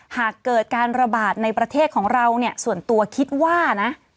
หากเกิดการระบาดในประเทศของเราเนี่ยส่วนตัวคิดว่านะ